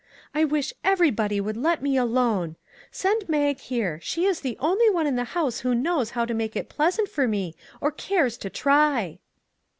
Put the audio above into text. I wish everybody would let me alone; send Mag here; she is the only one in the house who knows how to make it pleasant for me or cares to try."